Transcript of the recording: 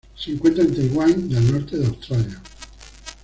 Se encuentra en Taiwán y al norte de Australia.